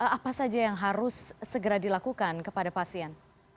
apa saja yang harus segera dilakukan kepada pasien